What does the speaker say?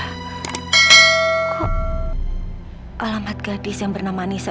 kok alamat gadis yang bernama anissa